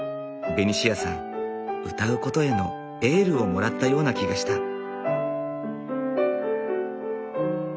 ベニシアさん歌うことへのエールをもらったような気がした。